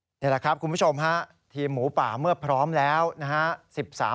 นี่แหละครับคุณผู้ชมฮะทีมหมูป่าเมื่อพร้อมแล้วนะฮะ